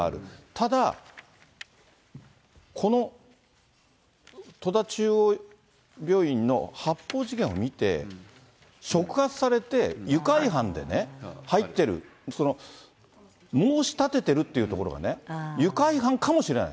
ただ、この戸田中央病院の発砲事件を見て、触発されて、愉快犯でね、入ってる、申し立ててるというところがね、愉快犯かもしれない。